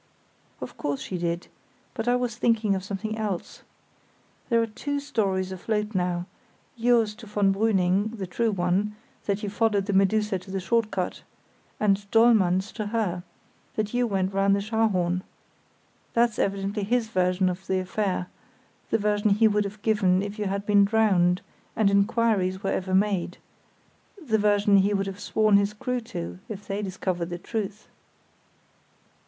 "Of course she did; but I was thinking of something else. There are two stories afloat now—yours to von Brüning, the true one, that you followed the Medusa to the short cut; and Dollmann's to her, that you went round the Scharhorn. That's evidently his version of the affair—the version he would have given if you had been drowned and inquiries were ever made; the version he would have sworn his crew to if they discovered the truth."